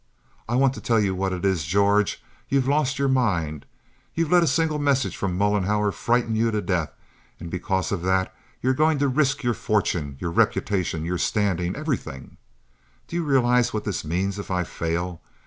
I want to tell you what it is, George—you've lost your mind. You've let a single message from Mollenhauer frighten you to death, and because of that you're going to risk your fortune, your reputation, your standing—everything. Do you really realize what this means if I fail?